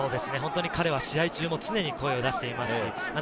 彼は試合中も常に声をかけています。